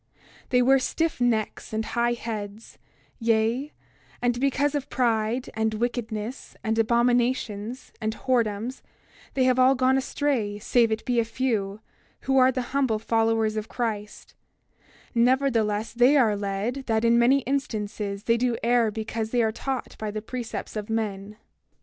28:14 They wear stiff necks and high heads; yea, and because of pride, and wickedness, and abominations, and whoredoms, they have all gone astray save it be a few, who are the humble followers of Christ; nevertheless, they are led, that in many instances they do err because they are taught by the precepts of men.